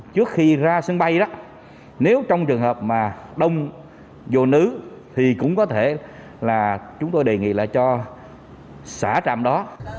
trước khi ra sân bay đó nếu trong trường hợp mà đông vô nứ thì cũng có thể là chúng tôi đề nghị là cho xã trạm đó